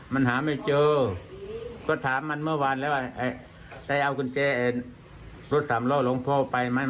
มันหาไม่เจอก็ถามมันเมื่อวานแล้วว่าได้เอากุญแจรถสามล้อหลวงพ่อไปไหม